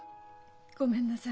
ごめんなさい。